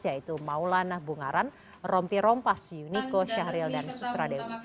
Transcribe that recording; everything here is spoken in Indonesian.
yaitu maulana bungaran rompi rompas yuniko syahril dan sutradewi